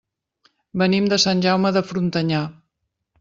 Venim de Sant Jaume de Frontanyà.